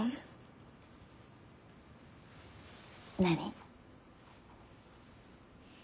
何？